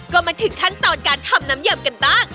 ก็มาถึงขั้นตอนการทำน้ำยำกันบ้าง